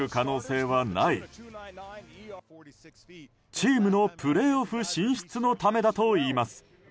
チームのプレーオフ進出のためだといいます。